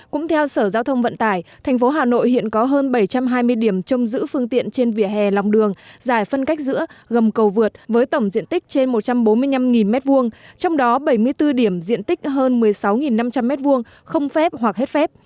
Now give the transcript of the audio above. cũng theo sở giao thông vận tải tp hà nội hiện có hơn bảy trăm hai mươi điểm trông giữ phương tiện trên vỉa hè lòng đường dài phân cách giữa gầm cầu vượt với tổng diện tích trên một trăm bốn mươi năm m hai trong đó bảy mươi bốn điểm diện tích hơn một mươi sáu năm trăm linh m hai không phép hoặc hết phép